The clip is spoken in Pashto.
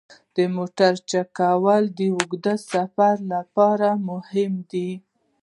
د موټر چک کول د اوږده سفر لپاره مهم دي.